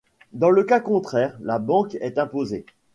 Dans le cas contraire, la banque est imposée.